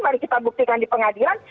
mari kita buktikan di pengadilan